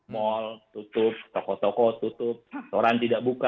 mal tutup toko toko tutup restoran tidak buka